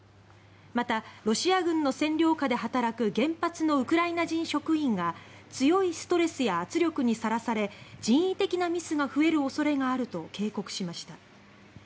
またロシア軍の占領下で働く原発のウクライナ人職員が強いストレスや圧力にさらされ人為的なミスが増える恐れがあると警告しました。